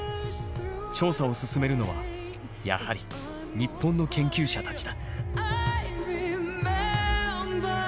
調査を進めるのはやはり日本の研究者たちだ。